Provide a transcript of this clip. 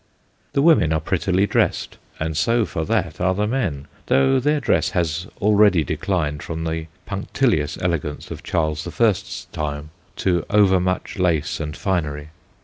The women are prettily dressed, and so for that are the men, though their dress has already declined from the punctilious elegance of Charles the First's time to overmuch lace and finery.